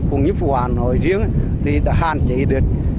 cũng như phụ hòa nói riêng thì đã hạn chế được